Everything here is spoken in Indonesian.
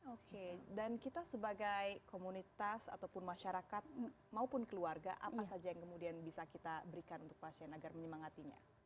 oke dan kita sebagai komunitas ataupun masyarakat maupun keluarga apa saja yang kemudian bisa kita berikan untuk pasien agar menyemangatinya